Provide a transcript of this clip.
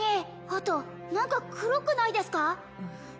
あと何か黒くないですか？